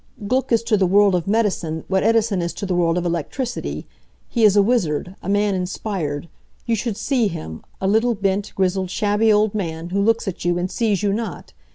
Gluck is to the world of medicine what Edison is to the world of electricity. He is a wizard, a man inspired. You should see him a little, bent, grizzled, shabby old man who looks at you, and sees you not.